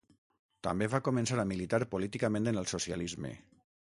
També va començar a militar políticament en el socialisme.